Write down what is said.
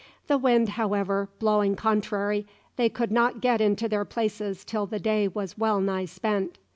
The wind, however, blowing contrary, they could not get into their places till the day was well nigh spent.